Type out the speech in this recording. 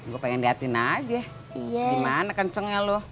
gue pengen liatin aja gimana kencengnya lo